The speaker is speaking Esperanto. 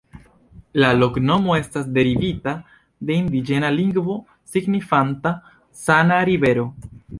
La loknomo estas derivita de indiĝena lingvo signifanta: "sana rivero".